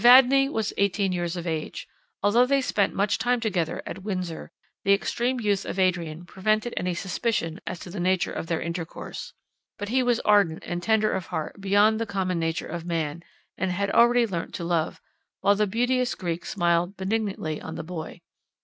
Evadne was eighteen years of age. Although they spent much time together at Windsor, the extreme youth of Adrian prevented any suspicion as to the nature of their intercourse. But he was ardent and tender of heart beyond the common nature of man, and had already learnt to love, while the beauteous Greek smiled benignantly on the boy.